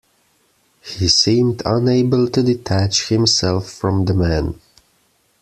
He seemed unable to detach himself from the man.